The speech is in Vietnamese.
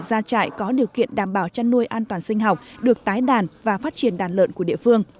gia trại có điều kiện đảm bảo chăn nuôi an toàn sinh học được tái đàn và phát triển đàn lợn của địa phương